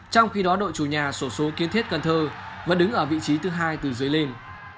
trong khi đó đội chủ nhà sổ số kiến thiết cần thơ vẫn đứng ở vị trí thứ hai từ dưới lên